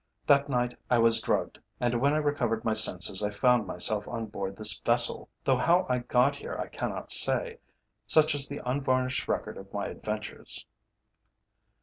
That night I was drugged, and when I recovered my senses I found myself on board this vessel, though how I got here I cannot say. Such is the unvarnished record of my adventures."